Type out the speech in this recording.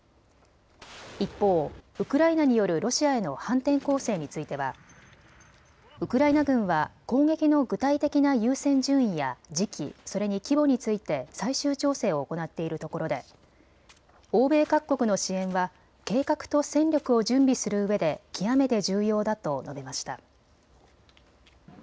一方、ウクライナによるロシアへの反転攻勢についてはウクライナ軍は攻撃の具体的な優先順位や時期、それに規模について最終調整を行っているところで欧米各国の支援は計画と戦力を準備するうえで極めて重要だと述べました。